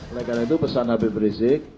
oleh karena itu pesan habib rizik